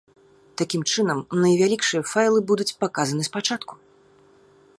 Такім чынам, найвялікшыя файлы будуць паказаны спачатку.